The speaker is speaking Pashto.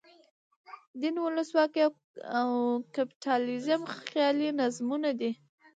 دین، ولسواکي او کپیټالیزم خیالي نظمونه دي.